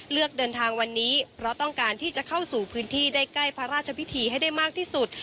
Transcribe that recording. เลือกเดินทางวันนี้เพราะต้องการที่จะเข้าสู่พื้นที่ได้ใกล้พระราชพิธีให้ได้มากที่สุด